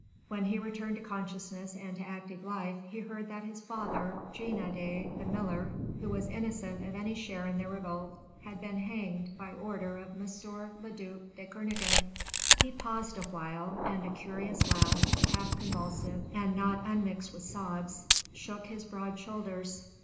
When he returned to consciousness and to active life he heard that his father, Jean Adet the miller, who was innocent of any share in the revolt, had been hanged by order of M. le duc de Kernogan." He paused awhile and a curious laugh half convulsive and not unmixed with sobs shook his broad shoulders.